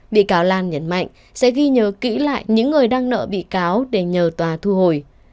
bị cáo lan nhấn mạnh sẽ ghi nhớ kỹ lại những người đang nợ bị cáo để nhờ tòa thu hồi